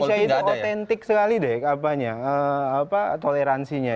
iya orang indonesia itu otentik sekali deh toleransinya